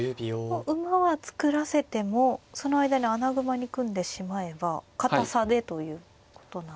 馬は作らせてもその間に穴熊に組んでしまえば堅さでということなんですか。